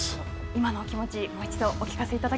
今のお気持ち、もう一度お聞か